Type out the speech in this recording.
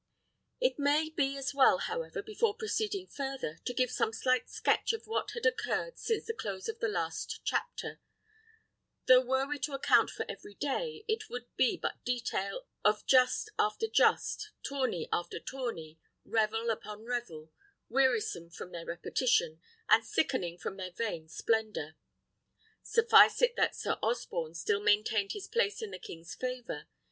It may be as well, however, before proceeding further, to give some slight sketch of what had occurred since the close of the last chapter; though were we to account for every day, it would be but detail of just after just, tourney after tourney, revel upon revel, wearisome from their repetition, and sickening from their vain splendour. Suffice it that Sir Osborne still maintained his place in the king's favour.